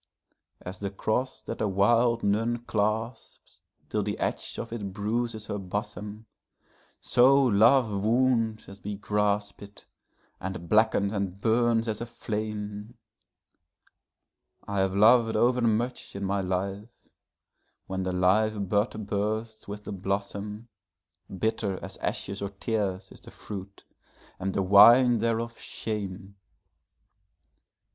As the cross that a wild nun clasps till the edge of it bruises her bosom, So love wounds as we grasp it, and blackens and burns as a flame;I have lov'd overmuch in my life: when the live bud bursts with the blossom, Bitter as ashes or tears is the fruit, and the wine thereof shame.